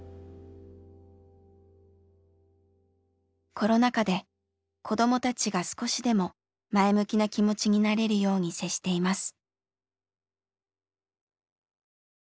コロナ禍で子どもたちが少しでも前向きな気持ちになれるように接しています。